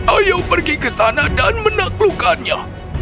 ayo pergi ke sana dan menaklukkannya